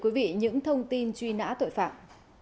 quý vị những thông tin truy nã tội phạm